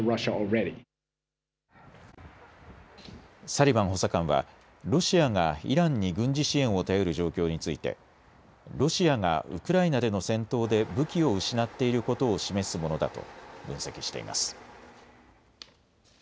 サリバン補佐官はロシアがイランに軍事支援を頼る状況についてロシアがウクライナでの戦闘で武器を失っていることを示すものだと分析しています。